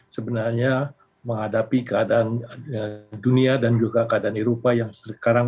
sebenarnya menghadapi keadaan dunia dan juga keadaan eropa yang sekarang